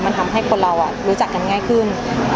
มันทำให้คนเรารู้จักกันง่ายขึ้น